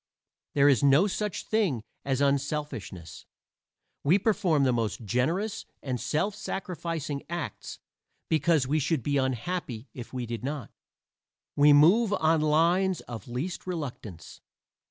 There is no such thing as unselfishness. We perform the most "generous" and "self sacrificing" acts because we should be unhappy if we did not. We move on lines of least reluctance.